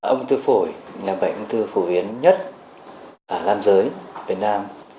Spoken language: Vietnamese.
ung thư phổi là bệnh ung thư phổ biến nhất ở nam giới việt nam